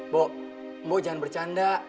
bo mbok jangan bercanda